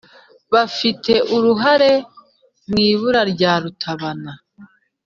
bafite uruhare mu ibura rya rutabana